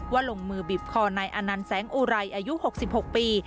ลงมือบีบคอนายอนันต์แสงอุไรอายุ๖๖ปี